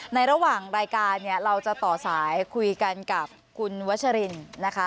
ในระหว่างรายการเนี่ยเราจะต่อสายคุยกันกับคุณวัชรินนะคะ